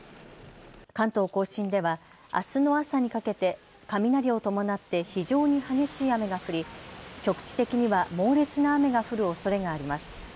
関東甲信ではあすの朝にかけて雷を伴って非常に激しい雨が降り局地的には猛烈な雨が降るおそれがあります。